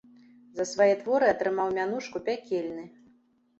За свае творы атрымаў мянушку пякельны.